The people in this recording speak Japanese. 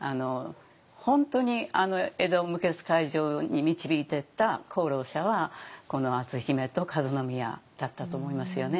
本当に江戸無血開城に導いていった功労者はこの篤姫と和宮だったと思いますよね。